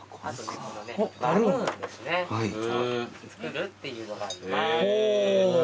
作るっていうのがあります。